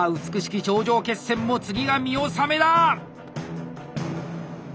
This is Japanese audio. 頂上決戦も次が見納めだ！